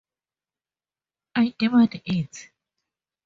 I demand it!